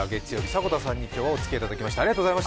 迫田さんに今日はおつきあいいただきました。